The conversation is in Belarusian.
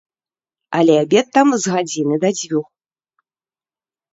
Але абед там з гадзіны да дзвюх.